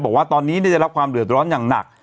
บอกว่าตอนนี้ได้รับความเดือดร้อนอย่างหนัก